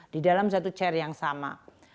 di dalam satu chair yang sama